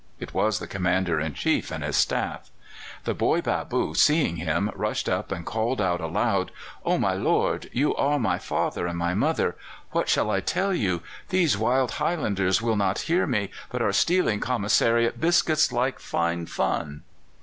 It was the Commander in Chief and his staff. "The boy bâboo seeing him, rushed up and called out aloud: "'Oh, my lord, you are my father and my mother. What shall I tell you? These wild Highlanders will not hear me, but are stealing commissariat biscuits like fine fun!